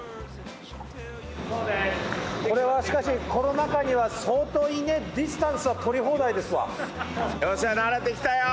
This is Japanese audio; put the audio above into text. これはしかしコロナ禍には相当ディスタンスは取り放題ですわ。